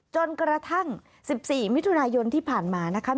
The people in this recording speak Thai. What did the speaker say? จนกระทั่ง๑๔มิถุนายนที่ผ่านมานะคะ